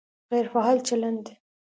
غیر فعال چلند